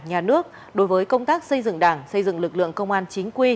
nhà nước đối với công tác xây dựng đảng xây dựng lực lượng công an chính quy